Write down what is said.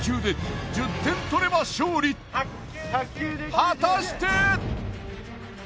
果たして！？